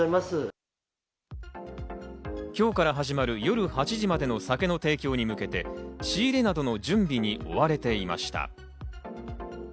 今日から始まる夜８時までの酒の提供に向けて、仕入れなどの準備に追われていました。